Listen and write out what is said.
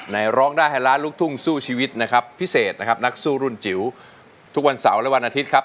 ร้องได้ให้ล้านลูกทุ่งสู้ชีวิตนะครับพิเศษนะครับนักสู้รุ่นจิ๋วทุกวันเสาร์และวันอาทิตย์ครับ